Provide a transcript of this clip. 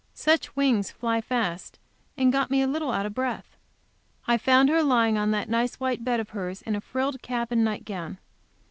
Such wings fly fast, and got me a little out of breath. I found her lying on that nice white bed of hers, in a frilled cap and night gown.